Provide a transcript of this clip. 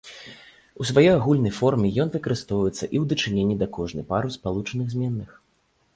У сваёй агульнай форме ён выкарыстоўваецца і ў дачыненні да кожнай пары спалучаных зменных.